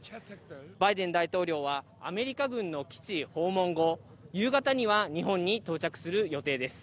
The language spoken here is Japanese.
バイデン大統領はアメリカ軍の基地訪問後、夕方には日本に到着する予定です。